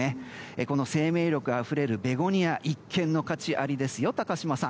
この生命力あふれるベゴニア一見の価値ありですよ高島さん。